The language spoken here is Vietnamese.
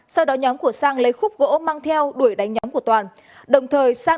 sau đó nhóm của sang lấy khúc vỗ mang theo đuổi đánh nhóm của toàn